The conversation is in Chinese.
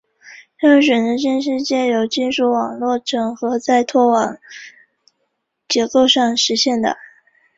这种选择性是藉由金属网格整合在拖网结构上实现的。